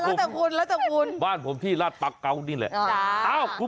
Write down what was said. เฮ้ยบ้านผมแล้วจากคุณแล้วจากคุณบ้านผมที่ราชปั๊กเกาะนี่แหละอ่า